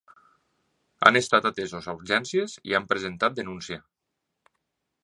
Han estat atesos a urgències i han presentat denuncia.